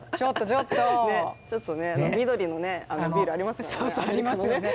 ちょっと緑のビール、ありますもんね。